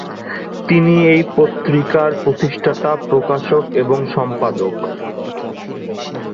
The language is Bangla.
তিনি এই পত্রিকার প্রতিষ্ঠাতা, প্রকাশক এবং সম্পাদক।